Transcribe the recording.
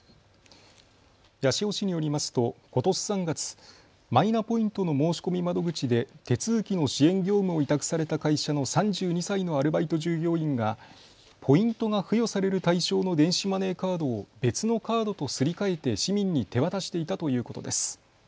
八潮市によりますとことし３月、マイナポイントの申し込み窓口で手続きの支援業務を委託された会社の３２歳のアルバイト従業員がポイントが付与される対象の電子マネーカードを別のカードとすり替えて市民に手渡していたということです。